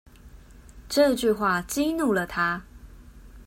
這句話激怒了他